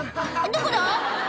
どこだ？」